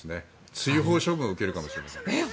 追放処分を受けるかもしれません。